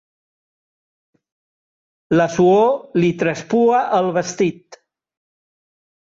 La suor li traspua el vestit.